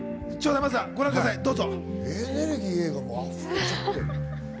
ご覧ください、どうぞ。